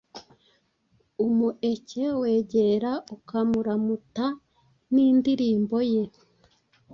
Umueke wegera, ukamuramuta nindirimbo ye